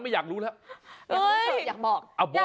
ไม่อยากรู้ละ